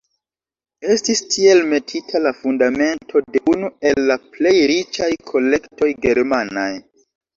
Estis tiel metita la fundamento de unu el la plej riĉaj kolektoj germanaj.